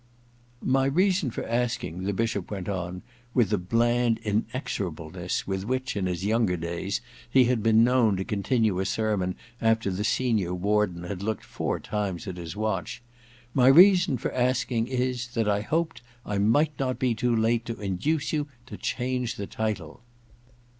My reason for asking,* the Bishop went on, with the bland inexorableness with which, in his younger days, he had been known to continue a sermon after the senior warden had looked four times at his watch —^ my reason for asking is, that I hoped I might not be too late to induce you to change the title.